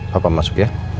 papa masuk ya